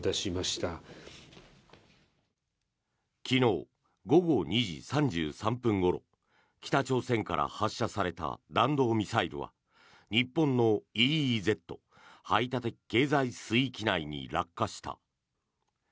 昨日午後２時３３分ごろ北朝鮮から発射された弾道ミサイルは日本のＥＥＺ・排他的経済水域内に落下した。